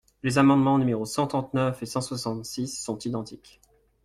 Les amendements numéros cent trente-neuf et cent soixante-six sont identiques.